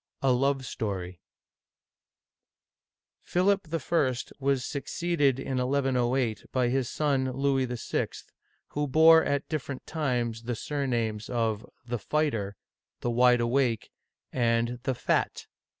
A LOVE STORY PHILIP I. was succeeded in 1 108 by his son Louis VI., who bore at different times the surnames of " the Fighter," " the Wide awake," and " the Fat."